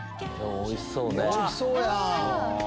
おいしそう！